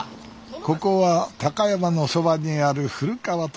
ここは高山のそばにある古川という町です。